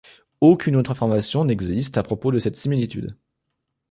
Aucune autre information n'existe à propos de cette similitude.